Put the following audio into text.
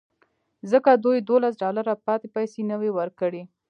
ځکه دوی دولس ډالره پاتې پیسې نه وې ورکړې